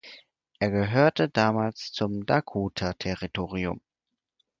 Er gehörte damals zum Dakota-Territorium.